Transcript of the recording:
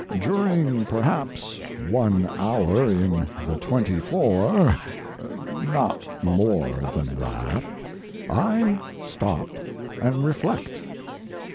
During perhaps one hour in the twenty four not more than that I stop and reflect.